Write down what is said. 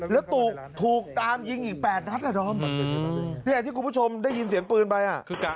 แล้วสูงคื่อเราถูกตามยิงอีกแปดรัสล่ะที่ทุกผู้ชมได้ยินเสียงปืนไหม